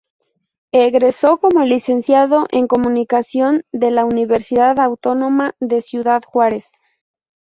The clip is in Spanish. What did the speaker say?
Egresó como Licenciado en Comunicación de la Universidad Autónoma de Ciudad Juárez.